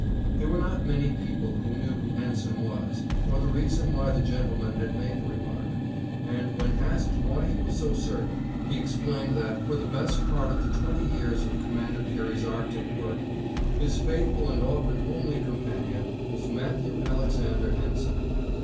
There were not many people who knew who Henson was, or the reason why the gentleman had made the remark, and, when asked why he was so certain, he explained that, for the best part of the twenty years of Commander Peary's Arctic work, his faithful and often only companion was Matthew Alexander Henson.